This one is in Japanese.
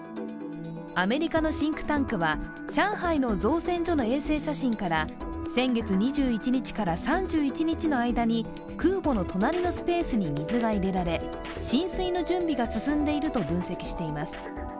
アメリカのシンクタンクは上海の造船所の衛星写真から先月２１日から３１日の間に、空母の隣のスペースに水が入れられ進水の準備が進んでいると分析しています。